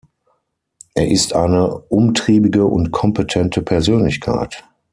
Er ist eine umtriebige und kompetente Persönlichkeit.